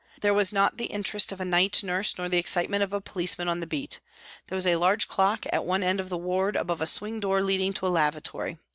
There was not the interest of a night nurse nor the excitement of a policeman on the beat. There was a large clock at one end of the ward above a swing door leading to a lavatory.